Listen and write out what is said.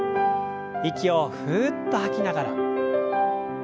息をふっと吐きながら。